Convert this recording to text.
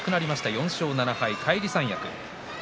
４勝７敗、返り三役。